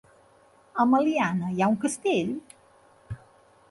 A Meliana hi ha un castell?